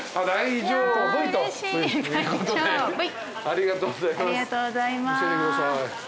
ありがとうございます。